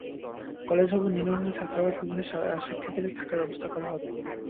College ভবন নির্মাণ হলে ছাত্রাবাস ভবনে শিক্ষার্থীদের থাকার ব্যবস্থা করা হবে।